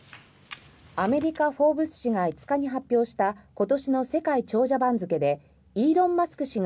アメリカ「フォーブス」誌が５日に発表した今年の世界長者番付でイーロン・マスク